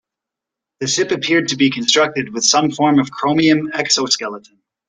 The ship appeared to be constructed with some form of chromium exoskeleton.